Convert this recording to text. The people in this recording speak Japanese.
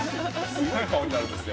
◆すごい顔になるんですね